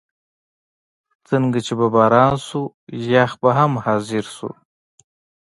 څنګه چې به باران شو، یخ به هم حاضر شو.